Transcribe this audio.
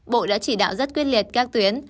bộ đã chỉ đạo rất quyết liệt các tuyến